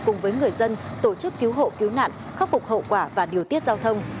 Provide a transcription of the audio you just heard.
cùng với người dân tổ chức cứu hộ cứu nạn khắc phục hậu quả và điều tiết giao thông